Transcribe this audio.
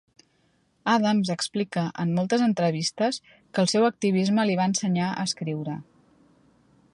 Adams explica, en moltes entrevistes, que el seu activisme li va ensenyar a escriure.